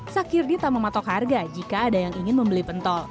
sakirdi tak mematok harga jika ada yang ingin membeli pentol